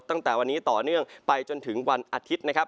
ตั้งแต่วันนี้ต่อเนื่องไปจนถึงวันอาทิตย์นะครับ